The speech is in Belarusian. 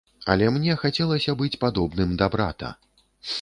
Але мне хацелася быць падобным да брата.